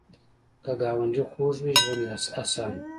که ګاونډي خوږ وي، ژوند اسان وي